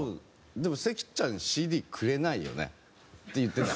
でも「勢喜ちゃんＣＤくれないよね？」って言ってた。